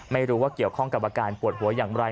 ไม่รู้ว่าเกี่ยวข้องกับอาการปวดหัวอย่างไร